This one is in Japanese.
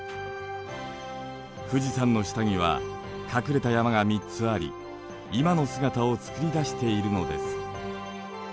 富士山の下には隠れた山が３つあり今の姿をつくり出しているのです。